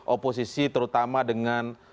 oposisi terutama dengan